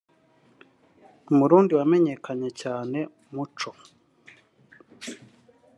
Umurundi wamenyekanye cyane Moutcho